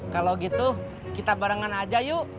kalau gitu kita barengan aja yuk